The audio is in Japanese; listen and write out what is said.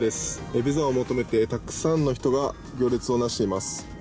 ビザを求めてたくさんの人が行列をなしています。